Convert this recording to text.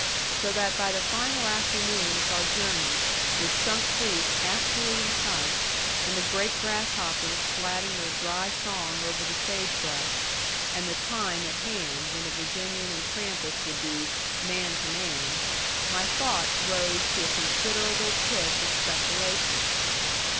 So that by the final afternoon of our journey, with Sunk Creek actually in sight, and the great grasshoppers slatting their dry song over the sage brush, and the time at hand when the Virginian and Trampas would be "man to man," my thoughts rose to a considerable pitch of speculation.